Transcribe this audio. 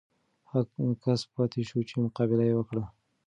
هغه کس پاتې شو چې مقابله یې وکړه.